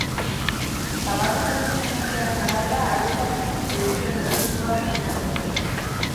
Zabaldutako informazioaren arabera, arazoak ditu proiektu energetikoak finantzatzeko.